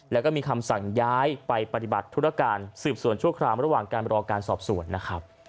แล้วก็มีคำสั่งย้ายไปปฏิบัติธุรการสืบสวนชั่วคราวระหว่างการรอการสอบสวนนะครับ